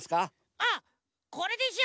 あっこれでしょ？